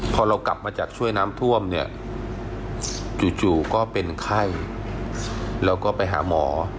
พอเรากลับมาจากช่วยน้ำท่วมเนี่ยจู่ก็เป็นไข้แล้วก็ไปหาหมอ